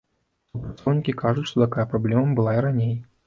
Супрацоўнікі кажуць, што такая праблема была і раней.